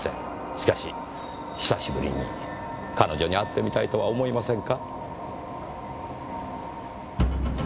しかし久しぶりに彼女に会ってみたいとは思いませんか。